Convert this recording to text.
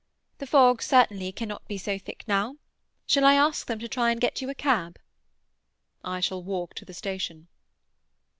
"The fog certainly cannot be so thick now. Shall I ask them to try and get you a cab?" "I shall walk to the station."